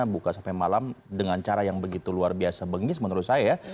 buka sampai malam dengan cara yang begitu luar biasa benggis menurut saya